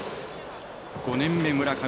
５年目、村上。